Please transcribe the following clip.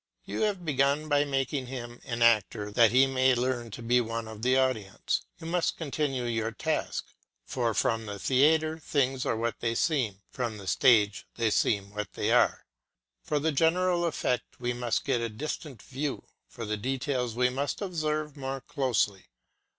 You have begun by making him an actor that he may learn to be one of the audience; you must continue your task, for from the theatre things are what they seem, from the stage they seem what they are. For the general effect we must get a distant view, for the details we must observe more closely.